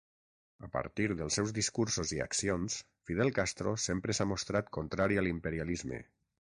A partir dels seus discursos i accions, Fidel Castro sempre s'ha mostrat contrari a l'imperialisme.